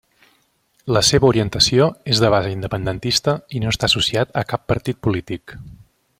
La seva orientació és de base independentista i no està associat a cap partit polític.